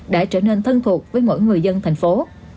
đã trở nên thân thuộc với mỗi người dân thành phố